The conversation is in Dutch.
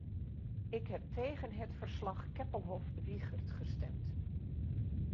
Ik heb tegen het verslag-Keppelhoff-Wiechert gestemd.